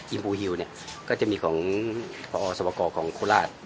อิมพูฮิวเนี่ยก็จะมีของพสวกรของครูลาศ